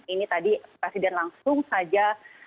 ini tadi presiden langsung saja